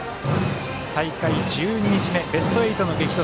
大会１２日目ベスト８の激突。